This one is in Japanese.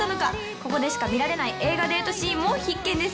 ここでしか見られない映画デートシーンも必見です！